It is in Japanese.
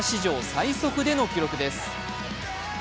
最速での記録です。